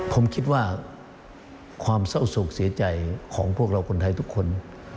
ผมคิดว่าความเศร้าโศกเสียใจของพวกเราคนไทยทุกคน